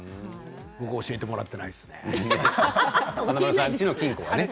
僕は教えてもらっていないですね。